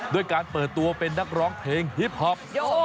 ด้วยการเปิดตัวเป็นนักร้องเพลงฮิปฮอป